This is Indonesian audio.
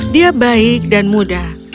dia baik dan muda